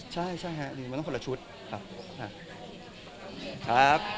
ใช่หรือมันต้องคนละชุดครับ